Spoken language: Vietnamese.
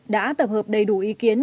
đã tập hợp đầy đủ ý kiến